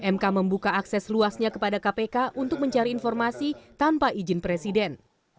mk membuka akses luasnya kepada kpk untuk mencari informasi tanpa izin presiden